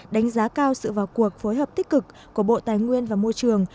đánh giá cao sự vào cuộc phối hợp tích cực của bộ tài nguyên và môi trường